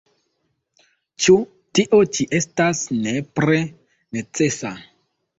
Ĉu tio ĉi estas nepre necesa?